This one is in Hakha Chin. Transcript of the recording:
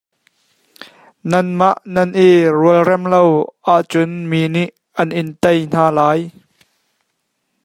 Nanmah nan i rualrem lo ahcun mi nih an in tei hna lai.